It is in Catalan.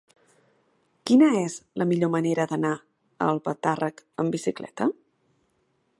Quina és la millor manera d'anar a Albatàrrec amb bicicleta?